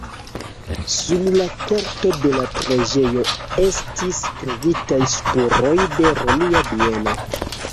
Sur la korto de la preĝejo estis trovitaj spuroj de romia bieno.